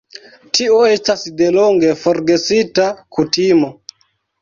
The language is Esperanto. Tio estas delonge forgesita kutimo.